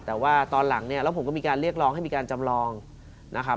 แต่ว่าตอนหลังเนี่ยแล้วผมก็มีการเรียกร้องให้มีการจำลองนะครับ